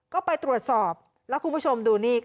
ก็ไปตรวจสอบแล้วคุณผู้ชมดูนี่